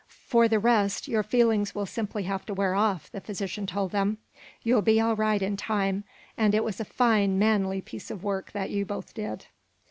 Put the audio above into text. "For the rest, your feelings will simply have to wear off," the physician told them. "You'll be all right in time. And it was a fine, manly piece of work that you both did."